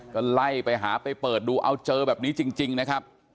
ก็ไล่ไปหาไปเปิดดูเอาเจอแบบนี้จริงนะครับ